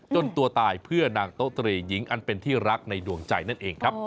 ตัวตายเพื่อนางโต๊ตรีหญิงอันเป็นที่รักในดวงใจนั่นเองครับ